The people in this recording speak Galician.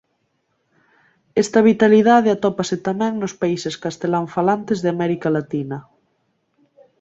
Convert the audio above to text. Esta vitalidade atópase tamén nos países castelanfalantes de América latina.